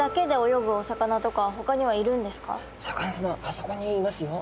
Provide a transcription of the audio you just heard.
そこにいますよ。